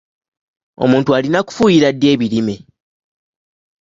Omuntu alina kufuuyira ddi ebirime?